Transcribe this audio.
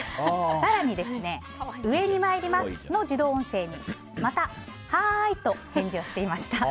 更に、上に参りますの自動音声にまたはーいと返事をしていました。